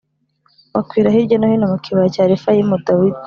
bakwira hirya no hino mu kibaya cya Refayimu Dawidi